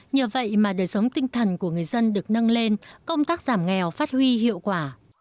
nhờ vậy mà đời sống tinh thần của người dân được nâng lên công tác giảm nghèo phát huy hiệu quả